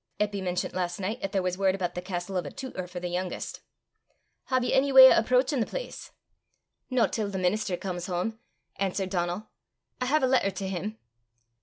"Eppy mentiont last nicht 'at there was word aboot the castel o' a tutor for the yoongest. Hae ye ony w'y o' approachin' the place?" "Not till the minister comes home," answered Donal. "I have a letter to him."